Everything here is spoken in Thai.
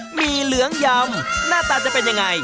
หมี่เหลืองยำหน้าตาจะเป็นยังไง